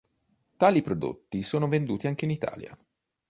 Tali prodotti sono venduti anche in Italia.